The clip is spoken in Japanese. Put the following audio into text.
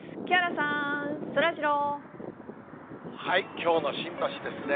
きょうの新橋ですね。